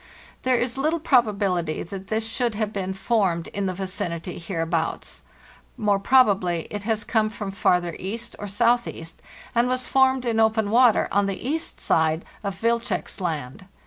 There is little proba bility that this should have been formed in the vicinity hereabouts. More probably it has come from farther east or southeast, and was formed in open water on the east side of Wilczek's Land.